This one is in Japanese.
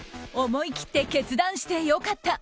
思い切って決断してよかった。